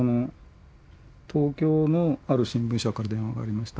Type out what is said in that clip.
「東京のある新聞社から電話がありました」